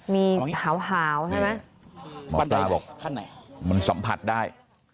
มีหาวใช่ไหมหมอปลาบอกมันสัมผัสได้